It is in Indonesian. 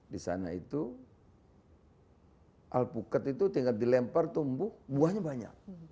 di sana itu alpukat itu tingkat dilempar tumbuh buahnya banyak